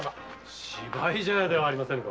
芝居茶屋ではありませんか。